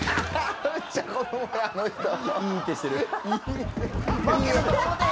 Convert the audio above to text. イーってしてる。